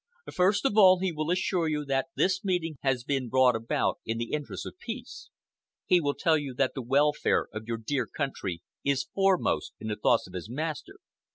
First of all, he will assure you that this meeting has been brought about in the interests of peace. He will tell you that the welfare of your dear country is foremost in the thoughts of his master.